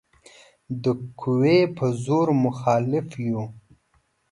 د قوې په زور مخالف یو.